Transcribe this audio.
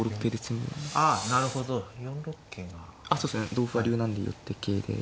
同歩は竜なんで寄って桂で。